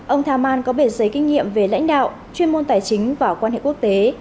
ông thamman có bể giấy kinh nghiệm về lãnh đạo chuyên môn tài chính và quan hệ quốc tế